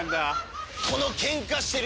このケンカしてる